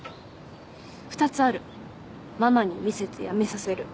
２つあるママに見せてやめさせる